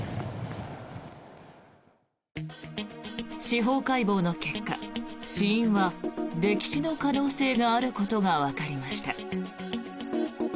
司法解剖の結果死因は溺死の可能性があることがわかりました。